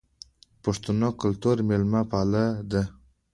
پښتو کلتور میلمه پال دی